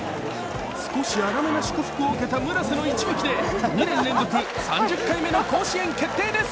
少し粗めな祝福を受けた村瀬の一撃で、２年連続３０回目の甲子園決定です。